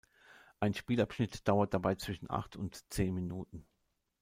Ein Spielabschnitt dauert dabei zwischen acht und zehn Minuten.